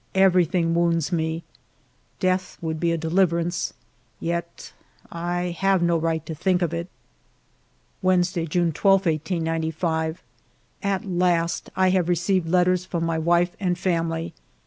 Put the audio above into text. Everything wounds me ; death would be a deliverance, yet 1 have no right to think of it. IVednesday^ June 12, 1895. At last I have received letters from my wife and family.